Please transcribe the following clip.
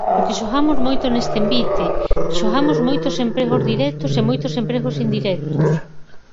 Porque xogamos moito neste envite, xogamos moitos empregos directos e moitos empregos indirectos.